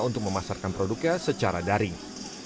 untuk memasarkan produknya secara daring